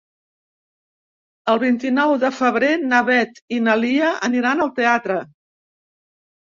El vint-i-nou de febrer na Beth i na Lia aniran al teatre.